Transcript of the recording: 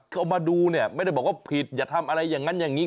เขามาดูเนี่ยไม่ได้บอกว่าผิดอย่าทำอะไรอย่างนั้นอย่างนี้